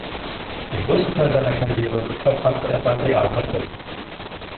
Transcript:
Den größten Teil seiner Karriere verbrachte er bei Real Madrid.